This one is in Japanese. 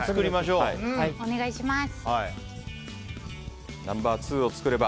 お願いします。